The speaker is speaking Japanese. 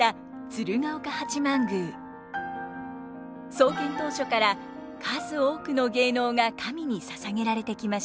創建当初から数多くの芸能が神に捧げられてきました。